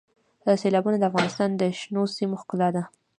سیلابونه د افغانستان د شنو سیمو ښکلا ده.